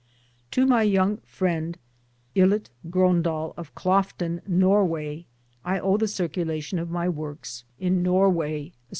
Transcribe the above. To my youngi friend I Hit Grondahl of Kloften, Norway, I owe the circulation of my works in MARCELLE SENARD.